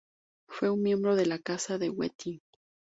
Fue un miembro de la Casa de Wettin.